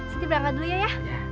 siti berangkat dulu ya